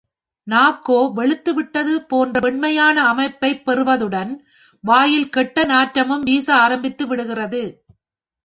நாக்கோ வெளுத்து விட்டது போன்ற வெண்மையான அமைப்பை பெறுவதுடன், வாயில் கெட்ட நாற்றமும் வீச ஆரம்பித்து விடுகிறது.